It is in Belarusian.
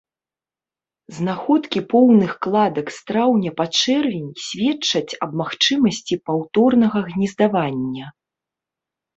Знаходкі поўных кладак з траўня па чэрвень сведчаць аб магчымасці паўторнага гнездавання.